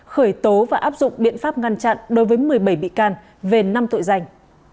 khởi tố và áp dụng biện pháp ngăn chặn đối với một mươi bảy bị can về năm tội danh